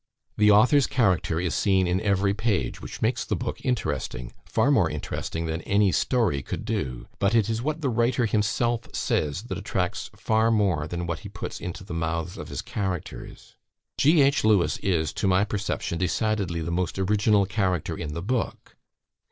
"The author's character is seen in every page, which makes the book interesting far more interesting than any story could do; but it is what the writer himself says that attracts far more than what he puts into the mouths of his characters. G. H. Lewes is, to my perception, decidedly the most original character in the book.